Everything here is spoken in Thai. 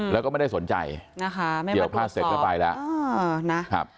แล้วก็ไม่ได้สนใจเกี่ยวพลาดเสร็จกันไปแล้ว